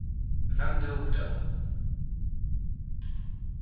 Vingt-deux octobre.